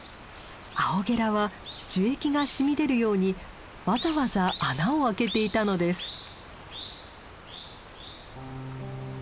アオゲラは樹液が染み出るようにわざわざ穴を開けていたのです。